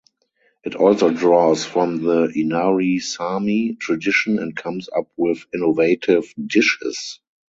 It also draws from the Inari Saami tradition and comes up with innovative dishes.